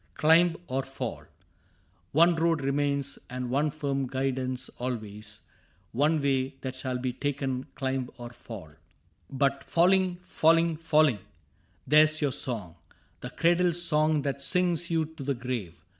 Climb or fall. 6o CAPTAIN CRAIG One road remains and one firm guidance always; One way that shall be taken, climb or fall. " But ' falling, falling, falling/ There *s your song. The cradle song that sings you to the grave.